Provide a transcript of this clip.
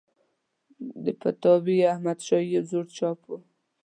د فتاوی احمدشاهي یو زوړ چاپ و.